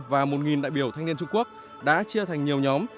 và một đại biểu thanh niên trung quốc đã chia thành nhiều nhóm